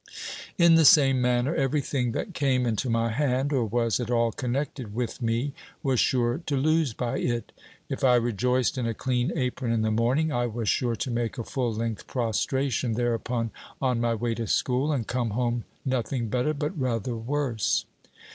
In the same manner, every thing that came into my hand, or was at all connected with me, was sure to lose by it. If I rejoiced in a clean apron in the morning, I was sure to make a full length prostration thereupon on my way to school, and come home nothing better, but rather worse.